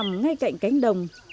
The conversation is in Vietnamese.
nằm ngay cạnh cánh đồng